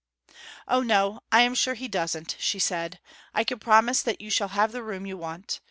'O no I am sure he doesn't,' she said. 'I can promise that you shall have the room you want.